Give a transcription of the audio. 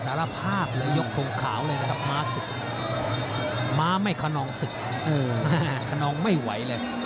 สารภาพเลยยกทงขาวเลยนะครับม้าศึกม้าไม่ขนองศึกขนองไม่ไหวเลย